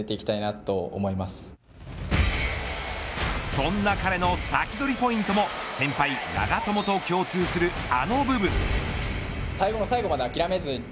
そんな彼のサキドリポイントも先輩、長友と共通するあの部分。